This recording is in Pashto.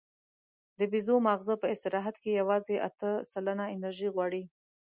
د بیزو ماغزه په استراحت کې یواځې اته سلنه انرژي غواړي.